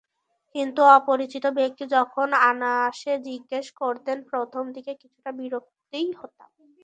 কিন্তু অপরিচিত ব্যক্তি যখন অনায়াসে জিজ্ঞেস করতেন, প্রথমদিকে কিছুটা বিরক্তই হতাম।